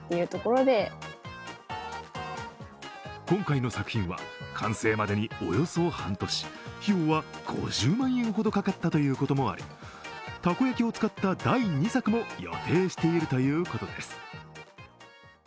今回の作品は完成までにおよそ半年、費用は５０万円ほどかかったこともあり、たこ焼きを使った第２作も予定しているということです。